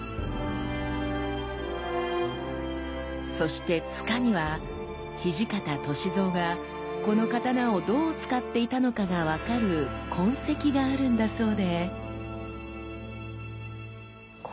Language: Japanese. そして柄には土方歳三がこの刀をどう使っていたのかが分かる痕跡があるんだそうで。